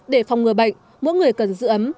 để phòng ngừa bệnh mỗi người cần giữ ấm